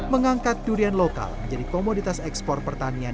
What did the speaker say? mengangkat durian lokal menjadi komoditas ekspor pertanian